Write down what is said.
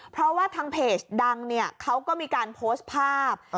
เพราะว่าทางเพจดังเนี่ยเขาก็มีการโพสต์ภาพ